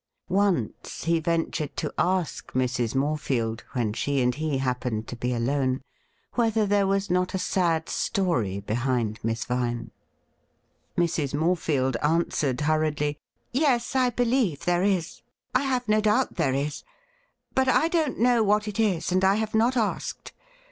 Once he ventiu ed to ask Mrs. Morefield, when she and he happened to be alone, whether there was not a sad story behind Miss Vine. Mrs. Moi efield answered hurriedly :' Yes, I believe thei e is. I have no doubt there is ; but I don't know what it is, and I have not asked.